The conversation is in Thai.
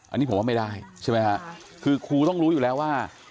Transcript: อันนี้ผมว่าไม่ได้ใช่ไหมฮะคือครูต้องรู้อยู่แล้วว่า